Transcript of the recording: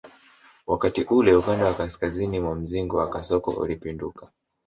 Wakati ule upande wa kaskazini wa mzingo wa kasoko ulipinduka